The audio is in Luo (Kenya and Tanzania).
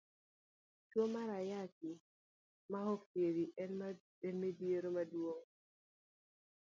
Tuo mar Ayaki ma ok thiedhi en midhiero maduong'.